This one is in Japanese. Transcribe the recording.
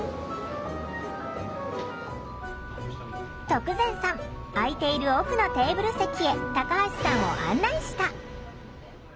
徳善さん空いている奥のテーブル席へタカハシさんを案内した。